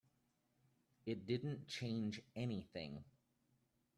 It didn't change anything.